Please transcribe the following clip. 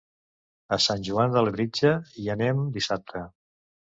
A Sant Joan de Labritja hi anem dissabte.